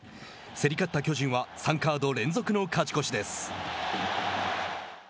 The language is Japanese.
競り勝った巨人は３カード連続の勝ち越しです。